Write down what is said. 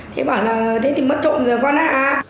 thế bảo là thế thì mất trộm rồi con á